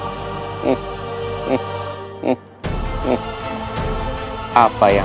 aku akan lakukan